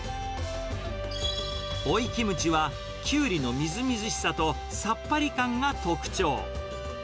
オイキムチは、キュウリのみずみずしさと、さっぱり感が特徴。